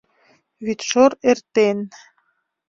Вӱдшор эртен.